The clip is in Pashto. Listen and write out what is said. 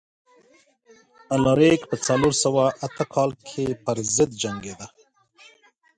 الاریک په څلور سوه اته کال کې پرضد جنګېده.